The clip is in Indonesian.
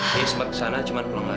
dia sempat kesana cuma pulang lagi